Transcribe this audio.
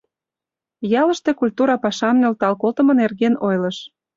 Ялыште культура пашам нӧлтал колтымо нерген ойлыш.